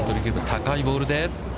高いボールで。